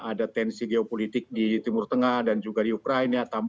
ada tensi geopolitik di timur tengah dan juga di ukraina